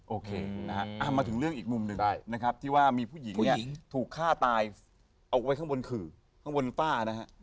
โอเคนะฮะมาถึงเรื่องอีกมุมหนึ่งนะครับที่ว่ามีผู้หญิงเนี่ยถูกฆ่าตายเอาไว้ข้างบนขื่อข้างบนฝ้านะฮะ